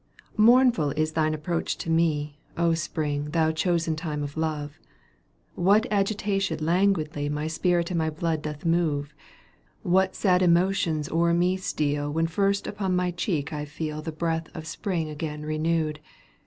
Mournful is thine approach to me, ^ Spring, thou chosen time of love I What agitation languidly My spirit and my blood doth move, What sad emotions o'er me steal When first upon my cheek I feel The breath of Spring again renewed.